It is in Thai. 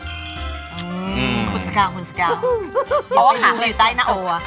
คุณสกาวเพราะว่าขาคืออยู่ใต้นักโอ